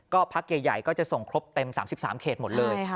ก็พักใหญ่ก็จะส่งครบเต็ม๓๓เขตหมดเลย